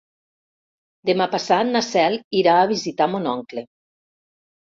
Demà passat na Cel irà a visitar mon oncle.